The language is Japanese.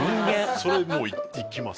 それもういきます？